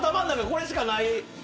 これしかない。